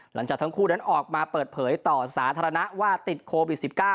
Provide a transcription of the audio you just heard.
หลังจากทั้งคู่นั้นออกมาเปิดเผยต่อสาธารณะว่าติดโควิด๑๙